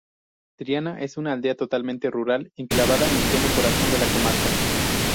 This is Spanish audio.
Triana es una aldea totalmente rural, enclavada en pleno corazón de la comarca.